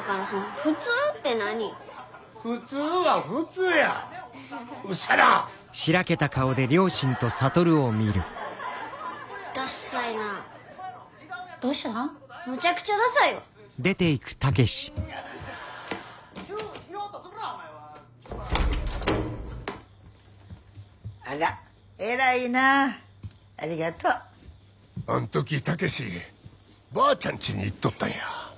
あん時武志ばあちゃんちに行っとったんや。